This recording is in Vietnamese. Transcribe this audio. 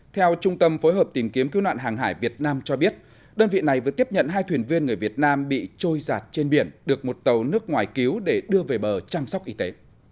theo trung tâm phối hợp tìm kiếm cứu nạn hàng hải việt nam cho biết đơn vị này vừa tiếp nhận hai thuyền viên người việt nam bị trôi giặt trên biển được một tàu nước ngoài cứu để đưa về bờ chăm sóc y tế